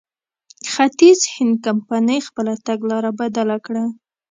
ختیځ هند کمپنۍ خپله تګلاره بدله کړه.